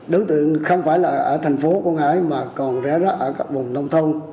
đối tượng không phải là ở thành phố quảng ngãi mà còn rẽ rắc ở các vùng nông thôn